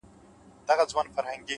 نیکه کړنه اوږد یاد پاتې کوي،